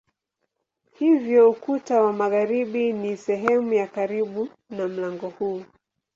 Hivyo ukuta wa magharibi ni sehemu ya karibu na mlango huu.